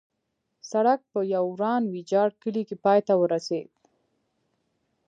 سړک په یو وران ویجاړ کلي کې پای ته رسېده.